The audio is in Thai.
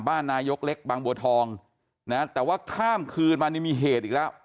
นายกเล็กบางบัวทองนะแต่ว่าข้ามคืนมานี่มีเหตุอีกแล้ว